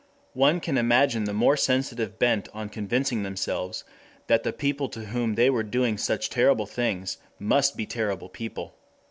One can imagine the more sensitive bent on convincing themselves that the people to whom they were doing such terrible things must be terrible people.